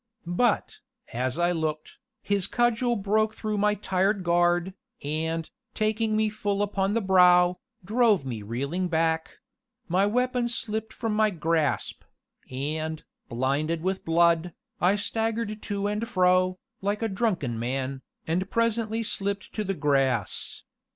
But, as I looked, his cudgel broke through my tired guard, and, taking me full upon the brow, drove me reeling back; my weapon slipped from my grasp, and, blinded with blood, I staggered to and fro, like a drunken man, and presently slipped to the grass.